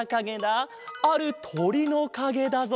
あるとりのかげだぞ。